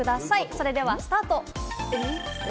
それではスタート！